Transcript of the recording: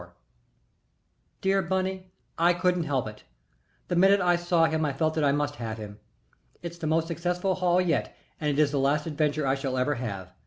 DEAR BUNNY, I couldn't help it. The minute I saw him I felt that I must have him. It's the most successful haul yet and is the last adventure I shall ever have.